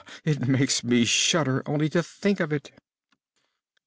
Brrr! It makes me shudder only to think of it!"